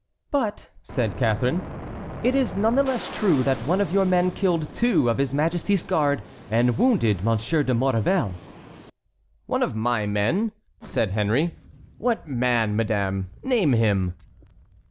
"But," said Catharine, "it is none the less true that one of your men killed two of his Majesty's guards and wounded Monsieur de Maurevel." "One of my men?" said Henry. "What man, madame? Name him."